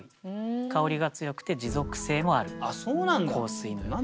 香りが強くて持続性もある香水のようなんですね。